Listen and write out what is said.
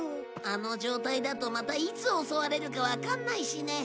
あの状態だとまたいつ襲われるかわからないしね。